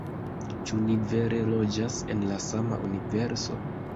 Ĉu ni vere loĝas en la sama universo?